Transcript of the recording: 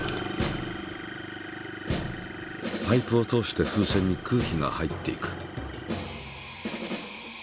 パイプを通して風船に空気が入っていく。